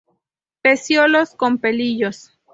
Pecíolos con pelillos.